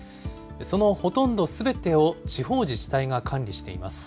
そのほとんどすべてを、地方自治体が管理しています。